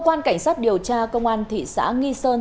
cơ quan cảnh sát điều tra công an thị xã nghi sơn